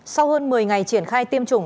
sau hơn một mươi ngày triển khai tiêm chủng